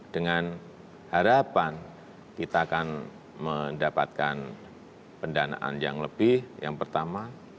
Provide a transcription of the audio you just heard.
dengan harapan kita akan mendapatkan pendanaan yang lebih yang pertama